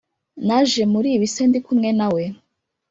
naje muri bisi ndikumwe nawe.